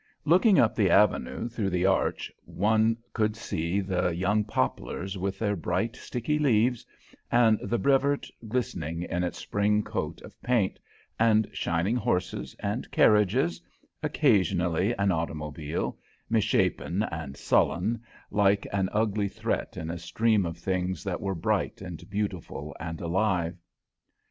Looking up the Avenue through the Arch, one could see the young poplars with their bright, sticky leaves, and the Brevoort glistening in its spring coat of paint, and shining horses and carriages, occasionally an automobile, misshapen and sullen, like an ugly threat in a stream of things that were bright and beautiful and alive.